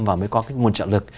và mới có cái nguồn trợ lực